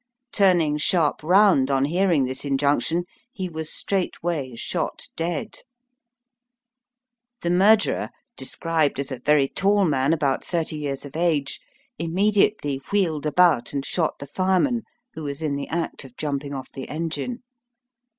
Turning sharp round on hearing this injunc tion, he was straightway shot dead. The Digitized by VjOOQIC LIFE AND DEATH IN THE FAR WEST. 65 murderer, described as a very tall man about thirty years of age, immediately wheeled about and shot the fireman, who was in the act of jumping off the engine.